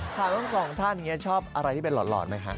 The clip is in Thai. ถามของคุณท่านชอบอะไรที่เป็นหลอดไหมคะ